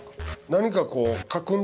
何かこう。